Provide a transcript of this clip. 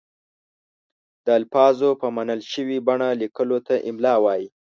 د الفاظو په منل شوې بڼه لیکلو ته املاء وايي.